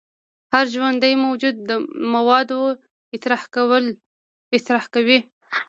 هر ژوندی موجود مواد اطراح کوي